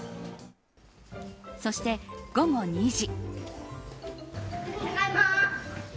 そして、午後２時。